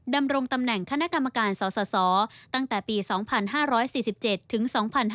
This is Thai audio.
ดำรงตำแหน่งคณะกรรมการสสตั้งแต่ปี๒๕๔๗ถึง๒๕๕๙